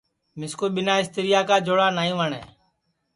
مِسکُو ٻنا اِستریا کا جوڑا نئی وٹؔے